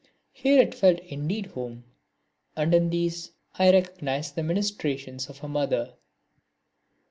Here it felt indeed like home, and in these I recognised the ministrations of a Mother.